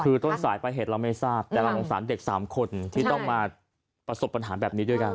คือต้นสายปลายเหตุเราไม่ทราบแต่เราสงสารเด็ก๓คนที่ต้องมาประสบปัญหาแบบนี้ด้วยกัน